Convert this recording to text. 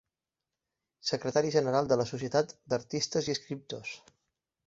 Secretari General de la Societat d'Artistes i Escriptors…